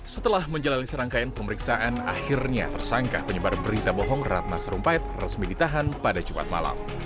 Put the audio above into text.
setelah menjalani serangkaian pemeriksaan akhirnya tersangka penyebar berita bohong ratna sarumpait resmi ditahan pada jumat malam